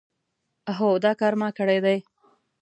هو دا کار ما کړی دی.